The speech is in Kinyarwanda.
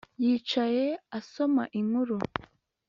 Yicaye asoma inkuru